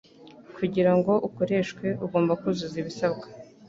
Kugira ngo ukoreshwe, ugomba kuzuza ibisabwa.